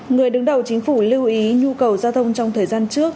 người đứng đầu chính phủ lưu ý nhu cầu giao thông trong thời gian trước